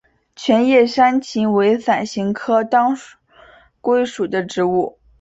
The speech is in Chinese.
全叶山芹为伞形科当归属的植物。